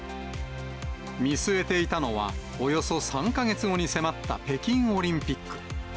見据えていたのは、およそ３か月後に迫った北京オリンピック。